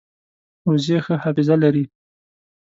وزې ښه حافظه لري